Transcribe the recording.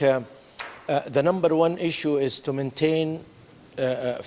masalah nomor satu adalah untuk mengembangkan